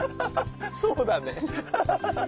そうだね